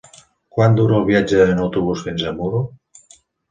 Quant dura el viatge en autobús fins a Muro?